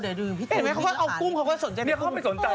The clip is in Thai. เห็นไหมเขาก็เอากุ้งเขาก็สนใจ